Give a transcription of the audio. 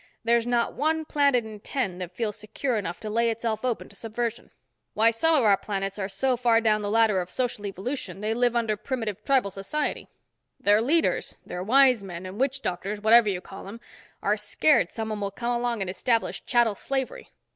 There's not one planet in ten that feels secure enough to lay itself open to subversion. Why some of our planets are so far down the ladder of social evolution they live under primitive tribal society; their leaders, their wise men and witch doctors, whatever you call them, are scared someone will come along and establish chattel slavery.